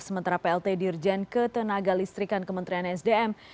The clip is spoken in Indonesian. sementara plt dirjen ke tenaga listrikan kementerian sdm